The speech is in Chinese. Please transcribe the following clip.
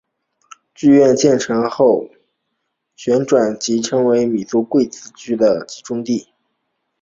剧院建成后旋即成为一众米兰贵族及富豪的集中地。